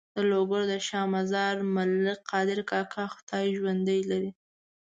د لوګر د شا مزار ملک قادر کاکا خدای ژوندی لري.